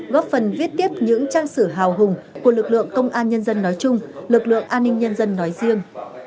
góp phần viết tiếp những trang sử hào hùng của lực lượng công an nhân dân nói chung lực lượng an ninh nhân dân nói riêng